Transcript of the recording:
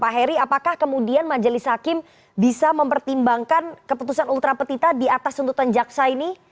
pak heri apakah kemudian majelis hakim bisa mempertimbangkan keputusan ultra petita di atas tuntutan jaksa ini